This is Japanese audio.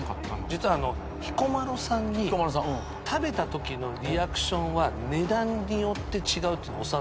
実は彦摩呂さんに食べたときのリアクションは値段によって違うっていうの教わったことがあって。